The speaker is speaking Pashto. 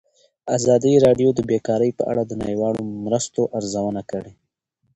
ازادي راډیو د بیکاري په اړه د نړیوالو مرستو ارزونه کړې.